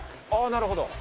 なるほど。